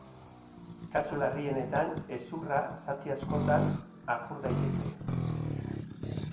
Kasu larrienetan, hezurra zati askotan apur daiteke.